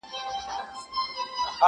• مګر وږی ولس وایې؛ له چارواکو مو ګیله ده,